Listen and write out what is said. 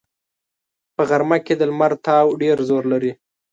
په غرمه کې د لمر تاو ډېر زور لري